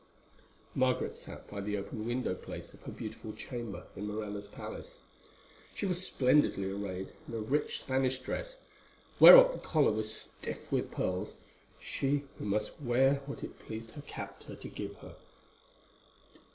Margaret sat by the open window place of her beautiful chamber in Morella's palace. She was splendidly arrayed in a rich, Spanish dress, whereof the collar was stiff with pearls, she who must wear what it pleased her captor to give her.